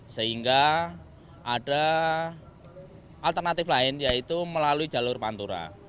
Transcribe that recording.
sehingga ada alternatif lain yaitu melalui jalur pantura